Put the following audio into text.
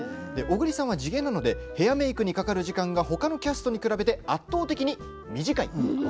小栗さんは地毛なのでヘアメークにかかる時間がほかのキャストに比べて圧倒的に短い。